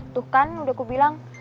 tuh kan udah aku bilang